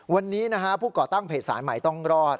วันนี้นะฮะผู้ก่อตั้งเพจสายใหม่ต้องรอด